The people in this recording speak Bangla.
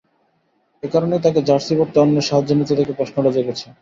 এ কারণেই তাঁকে জার্সি পরতে অন্যের সাহায্য নিতে দেখে প্রশ্নটা জেগেছে।